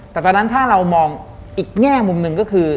แต่ตอนนั้นถ้าเรามองอีกแง่มุมหนึ่งก็คือ